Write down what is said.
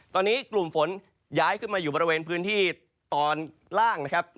ตอนนี้กลุ่มฝนย้ายขึ้นมาอยู่บริเวณพื้นที่ตอนล่างนะครับ